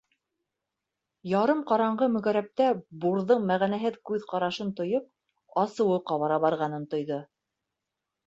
Ярым ҡараңғы мөгәрәптә бурҙың мәғәнәһеҙ күҙ ҡарашын тойоп, асыуы ҡабара барғанын тойҙо.